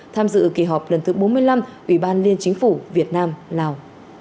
tham dự kỳ họp lần thứ bốn mươi năm ủy ban liên chính phủ việt nam lào